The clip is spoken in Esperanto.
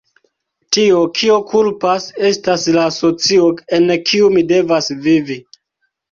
Tio, kio kulpas estas la socio en kiu mi devas vivi.